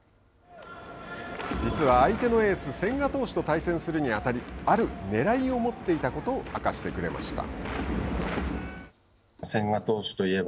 実は相手のエース千賀投手と対戦するにあたりあるねらいを持っていたことを明かしてくれました。